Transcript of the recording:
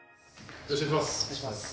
よろしくお願いします。